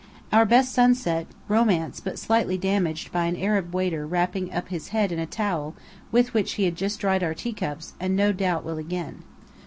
Our best sunset; romance but slightly damaged by an Arab waiter wrapping up his head in a towel with which he had just dried our teacups and no doubt will again.